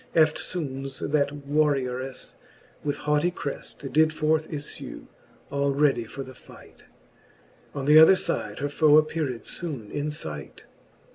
Eftfoones that warriourefle with haughty creft Did forth iflue, all ready for the fight: On th'other fide her foe appeared foone in fight, XXVIII.